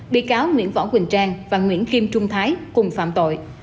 bị cáo nguyễn võ quỳnh trang và nguyễn kim trung thái cùng phạm tội